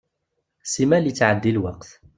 Simmal yettɛeddi lweqt.